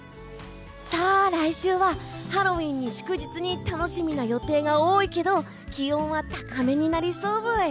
来週はハロウィーンに祝日に楽しみな予定が多いけど気温は高めになりそうブイ！